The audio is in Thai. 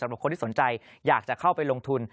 คนที่สนใจอยากจะเข้าไปลงทุน